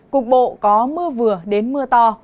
cục bộ có mưa vừa đến mưa to